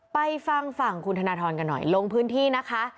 ไปฟังฝั่งคุณธนทรกันหน่อยลงพื้นที่นะคะ